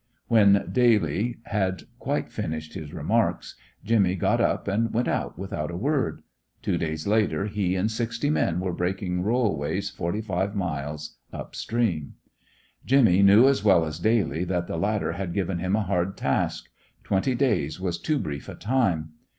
When Daly had quite finished his remarks, Jimmy got up and went out without a word. Two days later he and sixty men were breaking rollways forty five miles up stream. Jimmy knew as well as Daly that the latter had given him a hard task. Twenty days was too brief a time.